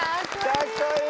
かっこいい！